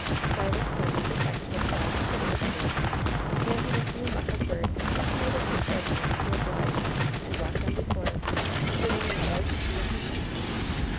Silas Kirby, the sexton, bowed to the visitors, and in a few muffled words intimated his readiness to oblige them, and walked on before, swinging a large key in his hand.